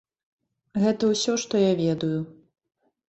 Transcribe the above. Гэта ўсё, што я ведаю.